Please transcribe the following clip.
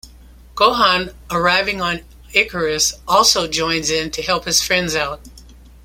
Gohan, arriving on Icarus, also joins in to help his friends out.